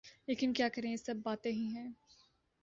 لیکن کیا کریں یہ سب باتیں ہی ہیں۔